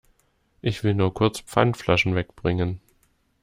Ich will nur kurz Pfandflaschen wegbringen.